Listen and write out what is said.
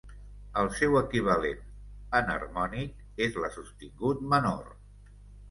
El seu equivalent enharmònic és la sostingut menor.